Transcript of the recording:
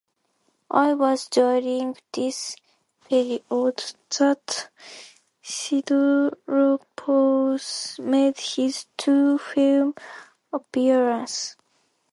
It was during this period that Sidiropoulos made his two film appearances.